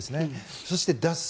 そして脱水。